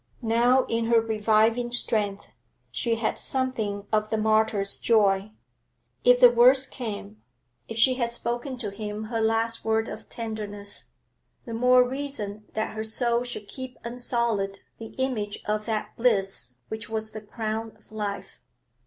Now, in her reviving strength, she had something of the martyr's joy. If the worst came, if she had spoken to him her last word of tenderness, the more reason that her soul should keep unsullied the image of that bliss which was the crown of life.